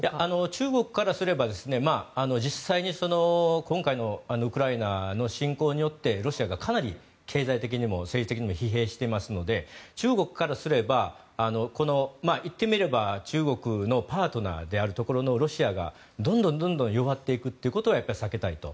中国からすれば、実際に今回のウクライナの侵攻によってロシアがかなり経済的にも政治的にも疲弊していますので中国からすれば、言ってみれば中国のパートナーであるところのロシアがどんどん弱っていくということは避けたいと。